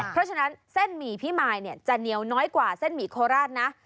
เพราะฉะนั้นเส้นหมี่พี่มายจะเหนียวน้อยกว่าเส้นหมี่โคราชนะ